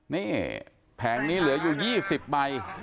นี่แผงนี้เหลืออยู่๒๐ใบ